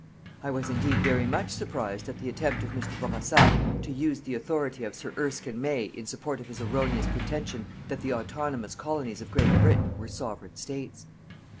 I was indeed very much surprised at the attempt of Mr. Bourassa to use the authority of Sir Erskine May in support of his erroneous pretension that the autonomous colonies of Great Britain were Sovereign States.